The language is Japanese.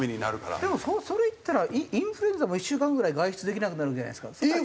でもそれ言ったらインフルエンザも１週間ぐらい外出できなくなるじゃないですか。